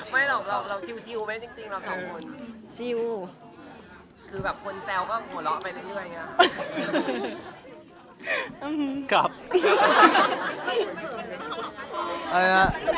ไม่หรอกหรอกเราชีวบุคโดไม่จริงเราตัวหมด